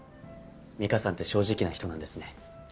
美香さんって正直な人なんですね。